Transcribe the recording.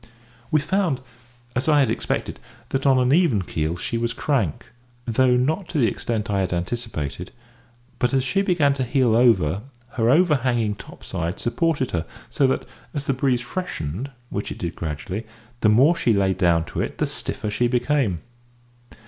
We found, as I had expected, that on an even keel she was crank, though not to the extent I had anticipated; but as she began to heel over her overhanging topside supported her; so that, as the breeze freshened (which it did gradually), the more she lay down to it the stiffer she became.